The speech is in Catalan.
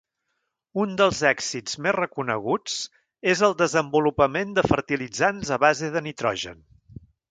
Un dels èxits més reconeguts és el desenvolupament de fertilitzants a base de nitrogen.